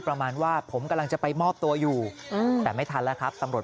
ประมาณว่าผมกำลังจะไปมอบตัวอยู่แต่ไม่ทันแล้วครับตำรวจ